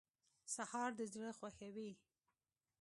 سهار د زړه خوښوي.